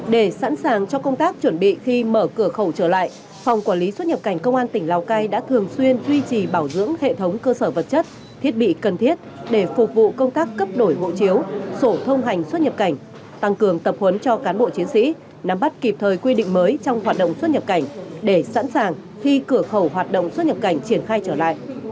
để sẵn sàng cho công tác chuẩn bị khi mở cửa khẩu trở lại phòng quản lý xuất nhập cảnh công an tỉnh lào cai đã thường xuyên duy trì bảo dưỡng hệ thống cơ sở vật chất thiết bị cần thiết để phục vụ công tác cấp đổi hộ chiếu sổ thông hành xuất nhập cảnh tăng cường tập huấn cho cán bộ chiến sĩ nắm bắt kịp thời quy định mới trong hoạt động xuất nhập cảnh để sẵn sàng khi cửa khẩu hoạt động xuất nhập cảnh triển khai trở lại